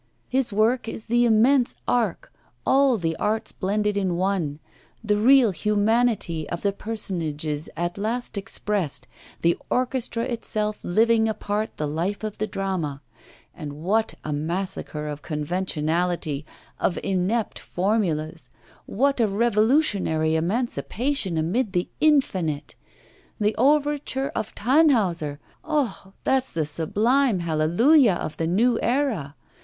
His work is the immense ark, all the arts blended in one; the real humanity of the personages at last expressed, the orchestra itself living apart the life of the drama. And what a massacre of conventionality, of inept formulas! what a revolutionary emancipation amid the infinite! The overture of "Tannhauser," ah! that's the sublime hallelujah of the new era.